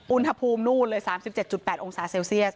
อุณหภูมินู่นเลย๓๗๘องศาเซลเซียส